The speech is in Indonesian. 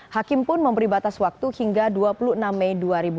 hakim pun memberi batas waktu hingga dua puluh enam mei dua ribu dua puluh